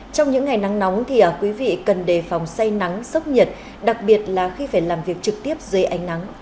trong những ngày nắng nóng thì quý vị cần đề phòng say nắng sốc nhiệt đặc biệt là khi phải làm việc trực tiếp dưới ánh nắng